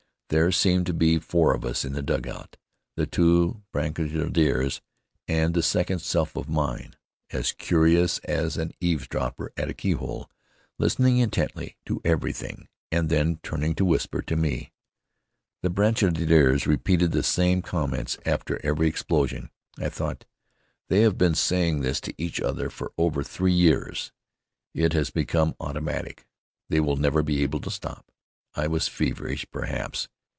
There seemed to be four of us in the dugout; the two brancardiers, and this second self of mine, as curious as an eavesdropper at a keyhole, listening intently to everything, and then turning to whisper to me. The brancardiers repeated the same comments after every explosion. I thought: "They have been saying this to each other for over three years. It has become automatic. They will never be able to stop." I was feverish, perhaps.